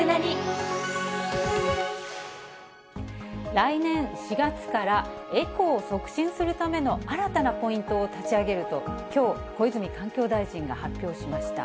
来年４月から、エコを促進するための新たなポイントを立ち上げると、きょう、小泉環境大臣が発表しました。